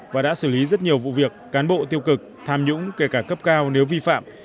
và đã xử lý rất nhiều vụ việc cán bộ tiêu cực tham nhũng kể cả cấp cao nếu vi phạm